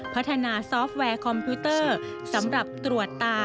พัฒนาซอฟต์แวร์คอมพิวเตอร์สำหรับตรวจตา